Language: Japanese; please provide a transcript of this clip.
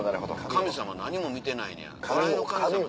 神様何も見てないねや笑いの神様すら。